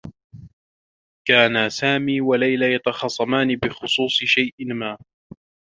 كانا سامي و ليلى يتخاصمان بخصوص شيء ما.